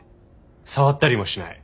触ったりもしない。